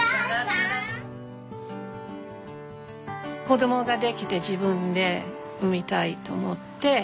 子供ができて自分で産みたいと思って。